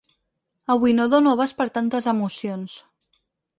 Avui no dono abast per tantes emocions.